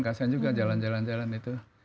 kasian juga jalan jalan itu